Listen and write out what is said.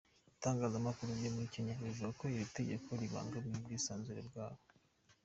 Ibitangazamakuru byo muri Kenya bivuga ko iri tegeko ribangamiye ubwisanzure bwabyo.